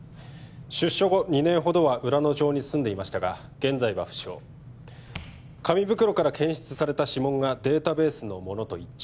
出所後２年ほどは浦野町に住んでいましたが現在は不詳紙袋から検出された指紋がデータベースのものと一致